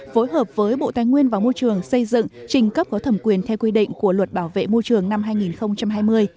phối hợp với bộ tài nguyên và môi trường xây dựng trình cấp có thẩm quyền theo quy định của luật bảo vệ môi trường năm hai nghìn hai mươi